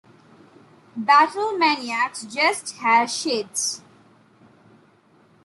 "Battlemaniacs" just has shades.